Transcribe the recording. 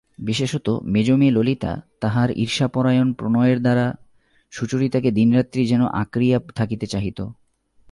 বিশেষত মেজো মেয়ে ললিতা তাহার ঈর্ষাপরায়ণ প্রণয়ের দ্বারা সুচরিতাকে দিনরাত্রি যেন আঁকড়িয়া থাকিতে চাহিত।